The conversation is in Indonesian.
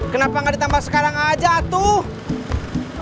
kenapa ga ditambah sekarang aja atuh